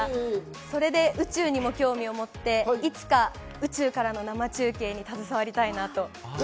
それで宇宙にも興味を持って、いつか宇宙からの生中継に携わりたいなと。